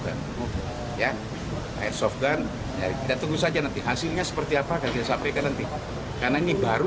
gun airsoft gun dan tunggu saja nanti hasilnya seperti apa kasih sampaikan nanti karena ini baru